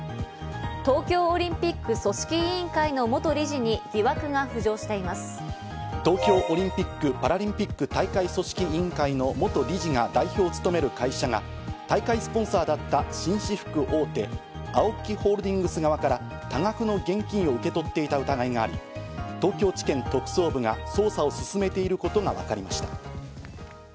東京オリンピック・パラリンピック組織委員会の元理事に疑惑が浮東京オリンピック・パラリンピック大会組織委員会の元理事が代表を務める会社が大会スポンサーだった紳士服大手、ＡＯＫＩホールディングス側から多額の現金を受け取っていた疑いがあり、東京地検特捜部が捜査を進めていることがわかりました。